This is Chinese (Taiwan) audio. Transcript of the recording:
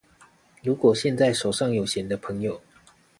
如果現在手上有閒的朋友